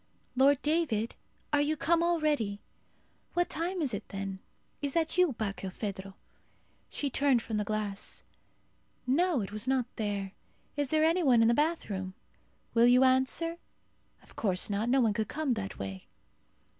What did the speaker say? Lord David? Are you come already? What time is it then? Is that you, Barkilphedro?" She turned from the glass. "No! it was not there. Is there any one in the bathroom? Will you answer? Of course not. No one could come that way."